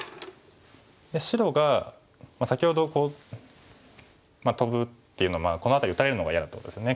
で白が先ほどこうトブっていうのはこの辺り打たれるのが嫌だってことですね